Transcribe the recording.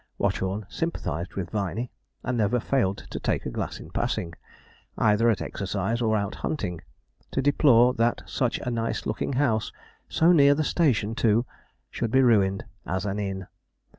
Watchorn sympathized with Viney, and never failed to take a glass in passing, either at exercise or out hunting, to deplore that such a nice looking house, so 'near the station, too,' should be ruined as an inn.